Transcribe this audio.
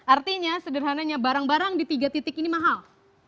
artinya sederhananya barang barang di tiga titik ini mahal